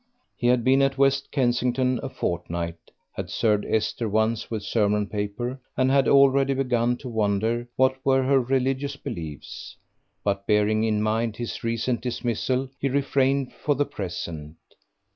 He had been at West Kensington a fortnight, had served Esther once with sermon paper, and had already begun to wonder what were her religious beliefs. But bearing in mind his recent dismissal, he refrained for the present.